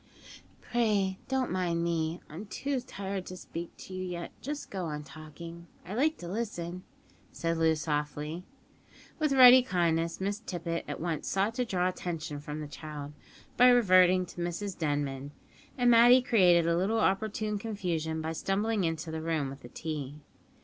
"Pray don't mind me; I'm too tired to speak to you yet; just go on talking. I like to listen," said Loo softly. With ready kindness, Miss Tippet at once sought to draw attention from the child, by reverting to Mrs Denman; and Matty created a little opportune confusion by stumbling into the room with the tea.